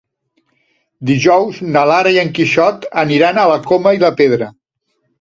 Dijous na Lara i en Quixot aniran a la Coma i la Pedra.